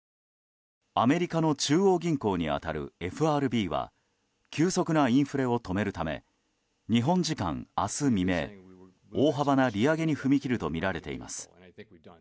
アメリカの中央銀行に当たるＦＲＢは急速なインフレを止めるため日本時間明日未明大幅な利上げに踏み切るとみられています。